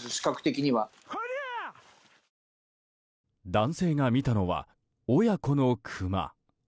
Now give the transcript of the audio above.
男性が見たのは親子のクマ。